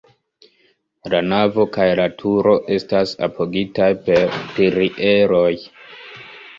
La navo kaj la turo estas apogitaj per pilieroj.